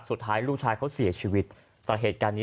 สุดท้ายลูกชายเขาเสียชีวิตจากเหตุการณ์นี้